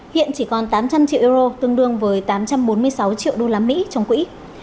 hiện chỉ còn tám trăm linh triệu euro tương đương với tám trăm bốn mươi sáu triệu usd trong quỹ